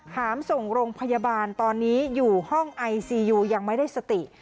หามส่งโรงพยาบาลตอนนี้อยู่ห้องไอซียูยังไม่ได้สติ